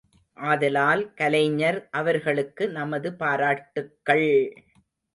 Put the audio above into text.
ஆதலால், கலைஞர் அவர்களுக்கு நமது பாராட்டுக்கள்!